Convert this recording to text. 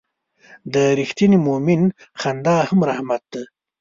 د رښتیني مؤمن خندا هم رحمت ده.